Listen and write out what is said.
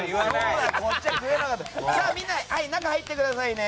みんな、中に入ってくださいね。